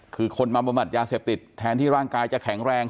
คือคนมาบำบัดยาเสพติดแทนที่ร่างกายจะแข็งแรง